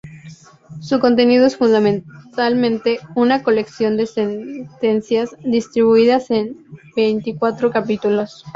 Su contenido es fundamentalmente una colección de sentencias distribuidas en veinticuatro capítulos.